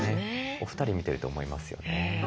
お二人見てると思いますよね。